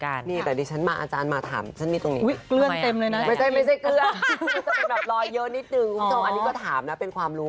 คุณผู้ชมอันนี้ก็ถามนะเป็นความรู้